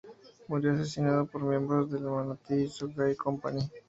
Murió asesinado por miembros de la Manatí Sugar Company.